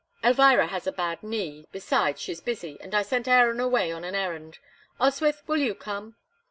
"Elvira has a bad knee, besides, she's busy, and I sent Aaron away on an errand. Oswyth, will you come?"